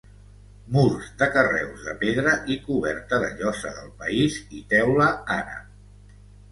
Murs de carreus de pedra i coberta de llosa del país i teula àrab.